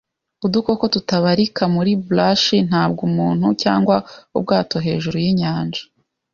udukoko tutabarika muri brush. Ntabwo umuntu, cyangwa ubwato, hejuru yinyanja;